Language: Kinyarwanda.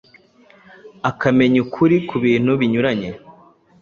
akamenya ukuri ku bintu binyuranye,